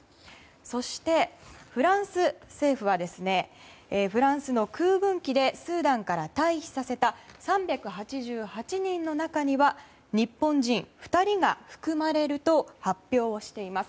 そして、フランス政府はフランスの空軍機でスーダンから退避させた３８８人の中には日本人２人が含まれると発表をしています。